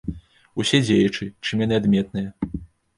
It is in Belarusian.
Усе дзеячы, чым яны адметныя.